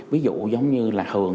ví dụ giống như là thường